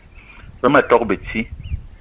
Ve ma tok beti